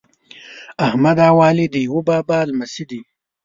احمد او علي د یوه بابا لمسي دي.